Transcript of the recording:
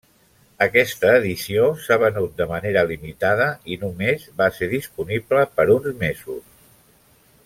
Aquesta edició s'ha venut de manera limitada i només va ser disponible per uns mesos.